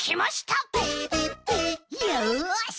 よし！